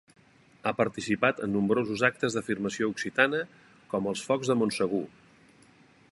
Ha participat en nombrosos actes d'afirmació occitana com els Focs de Montsegur.